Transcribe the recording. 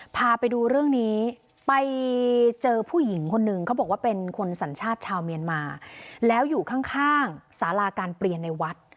พาไปดูเรื่องนี้ไปเจอผู้หญิงคนนึงเขาบอกว่าเป็นคนสัญชาติชาวเมียนมาแล้วอยู่ข้างสาราการเปลี่ยนในวัด